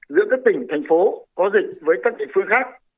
giữa các tỉnh thành phố có dịch với các địa phương khác